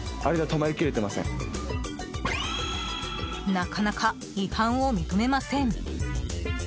なかなか違反を認めません。